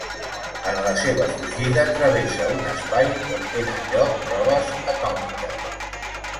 En la seva fugida, travessa un espai on tenen lloc proves atòmiques.